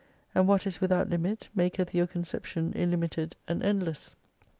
And what is without limit maketh your conception illimited and endless.